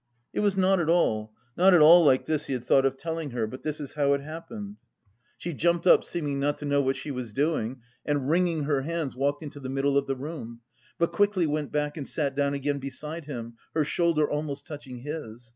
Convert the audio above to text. It was not at all, not at all like this he had thought of telling her, but this is how it happened. She jumped up, seeming not to know what she was doing, and, wringing her hands, walked into the middle of the room; but quickly went back and sat down again beside him, her shoulder almost touching his.